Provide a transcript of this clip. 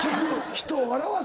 人を。